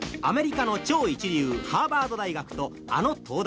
アメリカの超一流、ハーバード大学とあの東大。